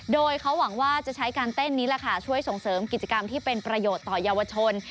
โดยเขาหวังว่าจะใช้การเต้นนี้แหละค่ะช่วยส่งเสริมกิจกรรมที่เป็นประโยชน์ต่อเยาวชน